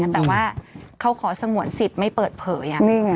แต่ว่าเขาขอสงวนสิทธิ์ไม่เปิดเผย